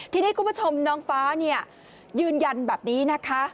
ทีนี้คุณผู้ชมน้องฟ้าเนี่ยยืนยันแบบนี้นะคะ